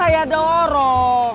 ya udah kang